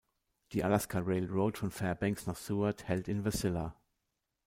Die Alaska Railroad von Fairbanks nach Seward hält in Wasilla.